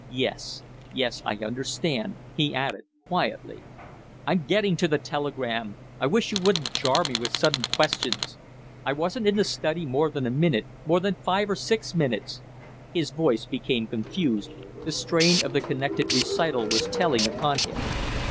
"Yes yes I understand," he added, quietly. "I'm getting to the telegram! I wish you wouldn't jar me with sudden questions. I wasn't in the study more than a minute more than five or six minutes " His voice became confused; the strain of the connected recital was telling upon him.